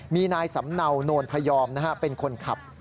มีนายสำเนาโนนพยอมเป็นคนขับ